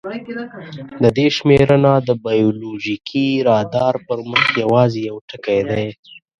د دې شمېرنه د بایولوژیکي رادار پر مخ یواځې یو ټکی دی.